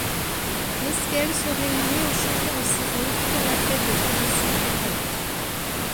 Mesqel serait liée au changement de saison, tout comme la fête de tradition hébraïque.